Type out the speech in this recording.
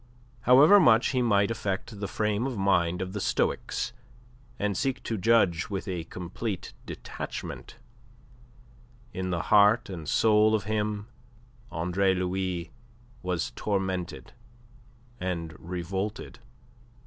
However much he might affect the frame of mind of the stoics, and seek to judge with a complete detachment, in the heart and soul of him Andre Louis was tormented and revolted.